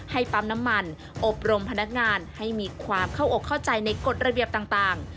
ปั๊มน้ำมันอบรมพนักงานให้มีความเข้าอกเข้าใจในกฎระเบียบต่าง